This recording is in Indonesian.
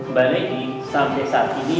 mbak lady sampai saat ini